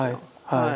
はい。